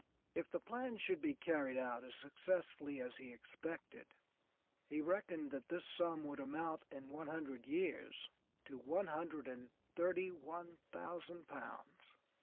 If the plan should be carried out as successfully as he expected, he reckoned that this sum would amount in one hundred years to one hundred and thirty one thousand pounds.